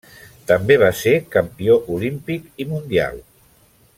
També va ser campió olímpic i mundial.